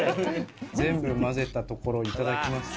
全部混ぜたところいただきます。